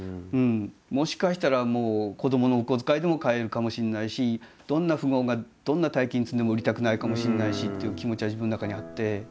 もしかしたら子どものお小遣いでも買えるかもしれないしどんな富豪がどんな大金積んでも売りたくないかもしれないしっていう気持ちは自分の中にあって。